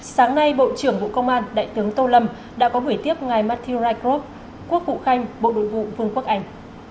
sáng nay bộ trưởng bộ công an đại tướng tô lâm đã có buổi tiếp ngày matthew rycroft quốc vụ khanh bộ đội vụ vương quốc anh